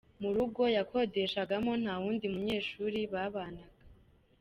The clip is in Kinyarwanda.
Mu rugo yakodeshagamo nta wundi munyeshuri babanaga.